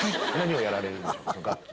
何をやられるんですか？